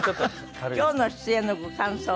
今日の出演のご感想は？